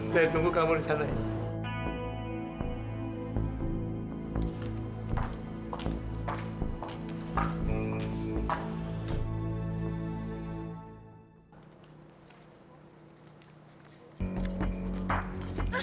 dari tunggu kamu disana aja